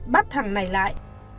bắt thằng này lại